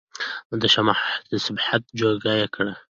او د شاه د صحبت جوګه يې کړي